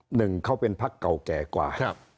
หนึ่งเขาเป็นพักเก่าแก่กว่า